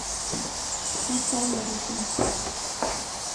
سی ساڵ لێرە ژیام.